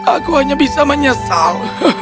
aku hanya bisa menyesal